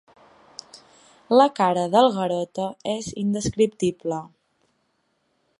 La cara del Garota és indescriptible.